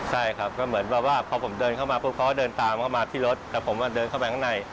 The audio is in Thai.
ใช่ครับก็เหมือนแบบว่าพอผมเดินเข้ามาปุ๊บเขาก็เดินตามเข้ามาที่รถแต่ผมเดินเข้าไปข้างใน